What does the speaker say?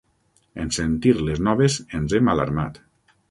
En sentir les noves ens hem alarmat.